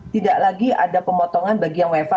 tidak lagi ada pemotongan bagi yang wfa